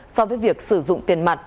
so với việc sử dụng tiền mặt